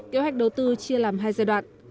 kế hoạch đầu tư chia làm hai giai đoạn